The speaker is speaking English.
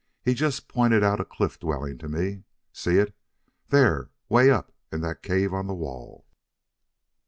He just pointed out a cliff dwelling to me. See it?... There 'way up in that cave of the wall."